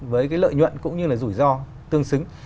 với cái lợi nhuận cũng như là rủi ro tương xứng